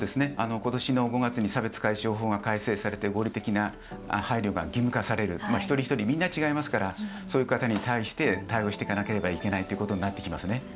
ことしの５月に差別解消法が改正されて合理的な配慮が義務化される一人一人みんな違いますからそういう方に対して対応していかなければいけないということになってきますね。